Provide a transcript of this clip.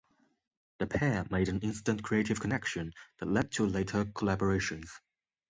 The pair made an instant creative connection that led to later collaborations.